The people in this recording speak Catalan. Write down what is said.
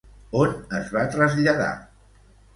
On es va traslladar?